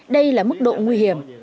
đây là mức độ nguy hiểm